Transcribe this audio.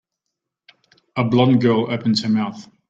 A blond girl opens her mouth.